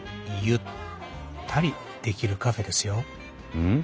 うん？